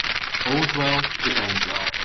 All's well that ends well.